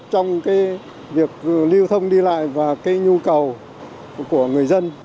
trong việc lưu thông đi lại và cái nhu cầu của người dân